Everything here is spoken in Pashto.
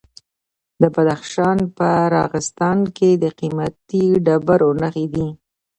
د بدخشان په راغستان کې د قیمتي ډبرو نښې دي.